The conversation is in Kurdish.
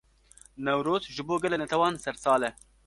Newroz, ji bo gelek netewan sersal e